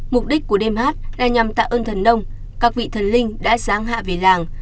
mục đích của đêm hát là nhằm tạ ơn thần nông các vị thần linh đã giáng hạ về làng